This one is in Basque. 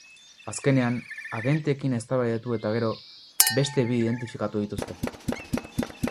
Azkenean, agenteekin eztabaidatu eta gero, beste bi identifikatu dituzte.